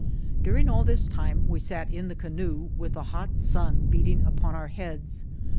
During all this time we sat in the canoe, with the hot sun beating upon our heads.